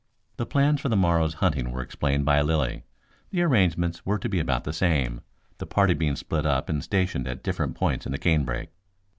The plans for the morrow's hunting were explained by Lilly. The arrangements were to be about the same, the party being split up and stationed at different points in the canebrake.